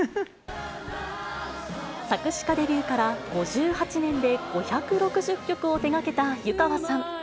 作詞家デビューから５８年で５６０曲を手がけた湯川さん。